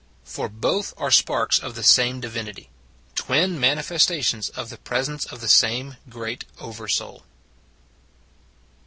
For both are sparks of the same divin ity twin manifestations of the presence of the same great Oversoul.